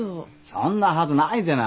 そんなはずないぜな。